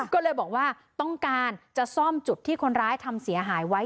ก็เลยบอกว่าต้องการจะซ่อมจุดที่คนร้ายทำเสียหายไว้